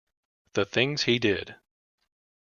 The things he did.